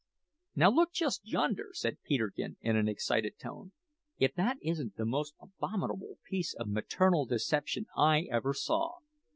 "Now, just look yonder!" said Peterkin in an excited tone. "If that isn't the most abominable piece of maternal deception I ever saw!